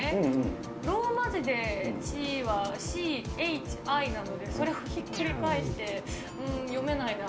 ローマ字で血は、ＣＨＩなので、それをひっくり返して、うーん、読めないなぁ。